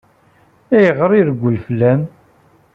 Ayɣer i ireggel fell-am?